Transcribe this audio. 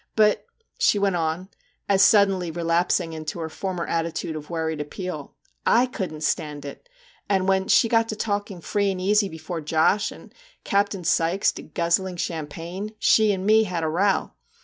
But/ she went on, as suddenly relapsing into her former attitude of worried appeal, '/ couldn't stand it, and when she got to talking free and easy before Josh, and Captain Sykes to guzzling champagne, she and me had a row.